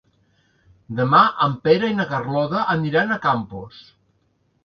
Demà en Pere i na Carlota aniran a Campos.